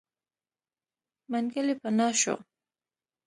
منګلی پناه شو.